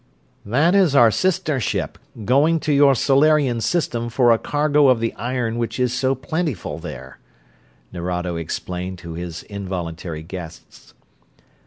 "That is our sister ship, going to your Solarian system for a cargo of the iron which is so plentiful there," Nerado explained to his involuntary guests.